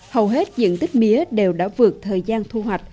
hầu hết diện tích mía đều đã vượt thời gian thu hoạch